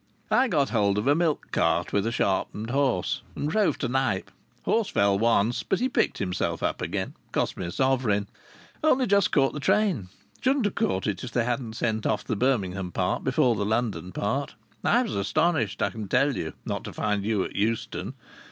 "I got hold of a milk cart with a sharpened horse, and drove to Knype. Horse fell once, but he picked himself up again. Cost me a sovereign. Only just caught the train. Shouldn't have caught it if they hadn't sent off the Birmingham part before the London part. I was astonished, I can tell you, not to find you at Euston.